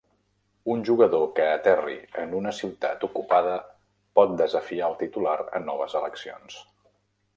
Un jugador que aterri en una ciutat ocupada pot desafiar el titular a noves eleccions.